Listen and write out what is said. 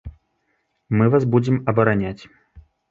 Мы вас будзем абараняць.